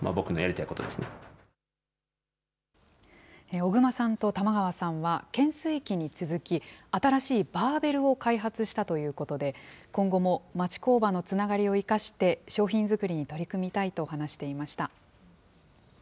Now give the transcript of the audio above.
小熊さんと玉川さんは、懸垂器に続き、新しいバーベルを開発したということで、今後も町工場のつながりを生かして、商品づくりに取り組みたいと話していました。